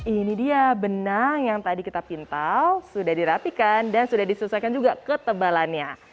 ini dia benang yang tadi kita pintal sudah dirapikan dan sudah diselesaikan juga ketebalannya